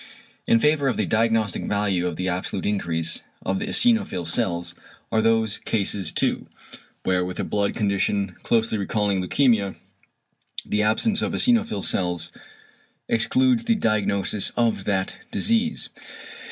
In favour of the diagnostic value of the absolute increase of the eosinophil cells are those cases too, where with a blood condition closely recalling leukæmia, the absence of eosinophil cells excludes the diagnosis of that disease.